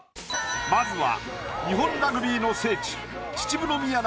まずは日本ラグビーの聖地